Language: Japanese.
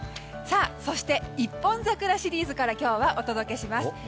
そして、一本桜シリーズから今日はお届けします。